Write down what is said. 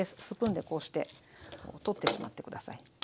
スプーンでこうして取ってしまって下さい。